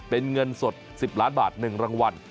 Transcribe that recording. เป็นเงินสด๑๐ล้านบาท๑รางวัล